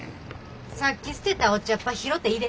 さっき捨てたお茶っ葉拾ていれ。